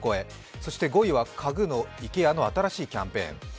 そして５位は家具のＩＫＥＡの新しいキャンペーン。